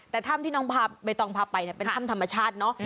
แต่ท่ำที่น้องพาไม่ต้องพาไปเนี่ยเป็นท่ำธรรมชาติเนอะ